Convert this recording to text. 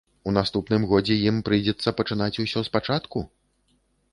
У наступным годзе ім прыйдзецца пачынаць усё спачатку?